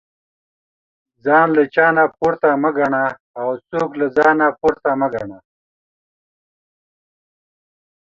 ځان له چانه پورته مه ګنه او څوک له ځانه پورته مه ګنه